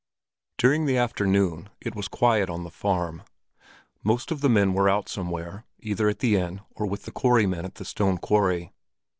During the afternoon it was quiet on the farm. Most of the men were out somewhere, either at the inn or with the quarry men at the stone quarry.